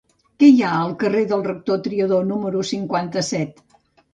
Què hi ha al carrer del Rector Triadó número cinquanta-set?